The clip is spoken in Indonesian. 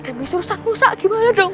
ada misur ustadz musa gimana dong